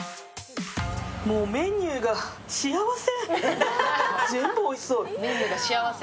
もうメニューが幸せ。